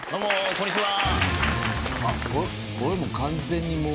こんにちは。